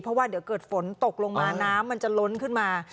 เพราะว่าเดี๋ยวเกิดฝนตกลงมาน้ำมันจะล้นขึ้นมา